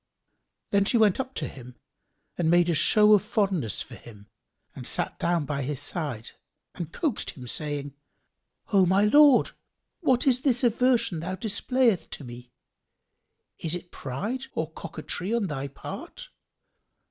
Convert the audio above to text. Then she went up to him and made a show of fondness for him and sat down by his side and coaxed him, saying, "O my lord, what is this aversion thou displayest to me? Is it pride or coquetry on thy part?